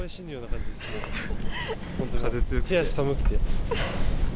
手足寒くて。